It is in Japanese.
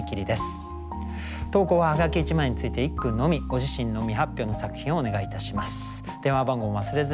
ご自身の未発表の作品をお願いいたします。